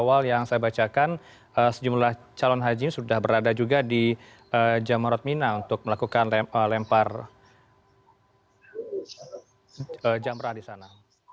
awal yang saya bacakan sejumlah calon haji sudah berada juga di jamarat mina untuk melakukan lempar jambrah di sana